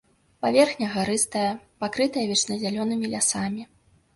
Паверхня гарыстая, пакрытая вечназялёнымі лясамі.